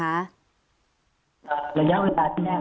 ระยะเวลาที่แม่ลงไม่สามารถตัดได้ครับ